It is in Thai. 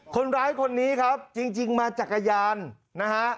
คนร้ายคนนี้ครับจริงมาจักรยานนะฮะ